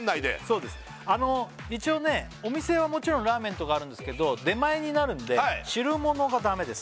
そうです一応ねお店はもちろんラーメンとかあるんですけど出前になるので汁ものがダメです